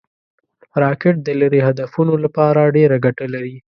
راکټ د لرې هدفونو لپاره ډېره ګټه لري